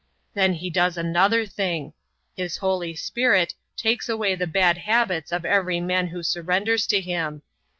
Then He does another thing! His Holy Spirit takes away the bad habits of every man who surrenders to Him.